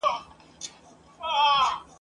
له نیکونو او له لویو استادانو ..